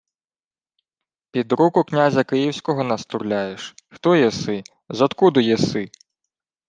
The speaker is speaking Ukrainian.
— Під руку князя київського нас турляєш? Хто єси? Зодкуду єси?.